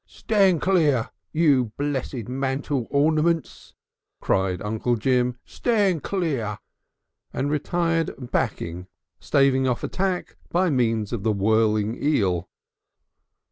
"Stand clear, you blessed mantel ornaments!" cried Uncle Jim, "stand clear!" and retired backing, staving off attack by means of the whirling eel.